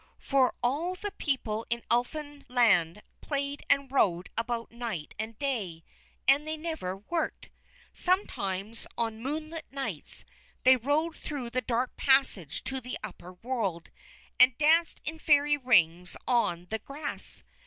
For all the people in Elfinland played and rode about night and day, and they never worked. Sometimes on moonlit nights they rode through the dark passage to the upper world, and danced in Fairy Rings on the grass.